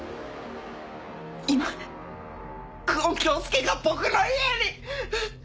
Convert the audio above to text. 今久遠京介が僕の家に！